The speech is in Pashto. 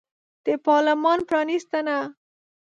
د پارلمان پرانیستنه